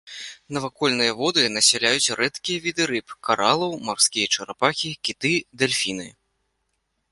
Навакольныя воды насяляюць рэдкія віды рыб, каралаў, марскія чарапахі, кіты, дэльфіны.